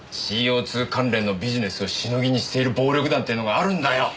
ＣＯ２関連のビジネスをしのぎにしている暴力団ってのがあるんだよ！